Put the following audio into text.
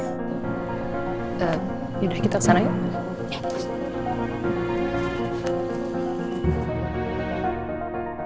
yaudah kita ke sana ya